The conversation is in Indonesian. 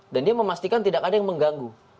dan dia memastikan tidak ada yang mengganggu